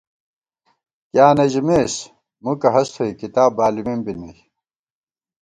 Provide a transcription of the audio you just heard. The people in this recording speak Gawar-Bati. کیاں نہ ژِمېس ،مُکہ ہست تھوئی کِتاب بالِمېم بی نئ